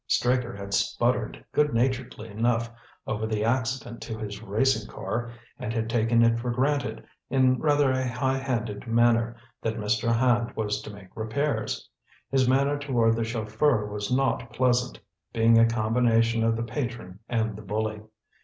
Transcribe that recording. Straker had sputtered, good naturedly enough, over the "accident" to his racing car, and had taken it for granted, in rather a high handed manner, that Mr. Hand was to make repairs. His manner toward the chauffeur was not pleasant, being a combination of the patron and the bully.